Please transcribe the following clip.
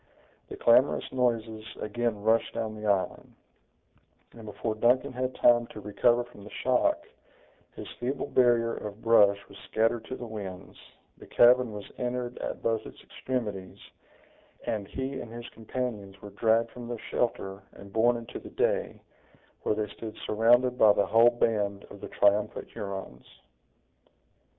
The clamorous noises again rushed down the island; and before Duncan had time to recover from the shock, his feeble barrier of brush was scattered to the winds, the cavern was entered at both its extremities, and he and his companions were dragged from their shelter and borne into the day, where they stood surrounded by the whole band of the triumphant Hurons.